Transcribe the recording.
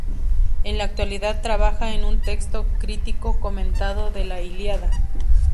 En la actualidad trabaja en un texto crítico comentado de la "Ilíada".